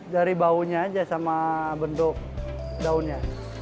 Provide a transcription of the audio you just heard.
dari baunya aja sama bentuk daunnya